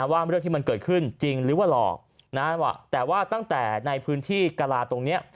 ว่าเรื่องที่มันเกิดขึ้นจริงหรือว่าหลอกแต่ว่าตั้งแต่ในพื้นที่กลาตรงนี้